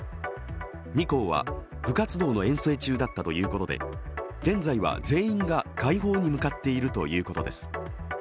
２校は部活動の遠征中だったということで現在は全員が快方に向かっているということです。